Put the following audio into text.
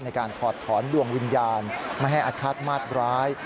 ถอดถอนดวงวิญญาณไม่ให้อาฆาตมาดร้าย